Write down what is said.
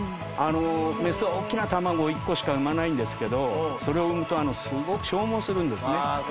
雌はおっきな卵１個しか産まないんですけどそれを産むとすごく消耗するんですね。